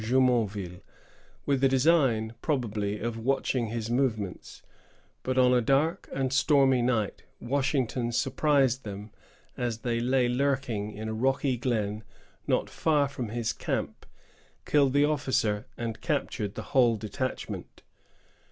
Jumonville, with the design, probably, of watching his movements; but, on a dark and stormy night, Washington surprised them, as they lay lurking in a rocky glen not far from his camp, killed the officer, and captured the whole detachment.